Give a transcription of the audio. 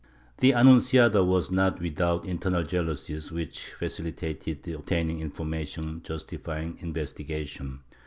The Annunciada was not without internal jealousies which facili tated the obtaining of information justifying investigation.